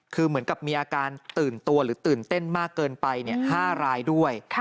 คือเหมือนกับมีอาการตื่นตัวหรือตื่นเต้นมากเกินไป๕รายด้วย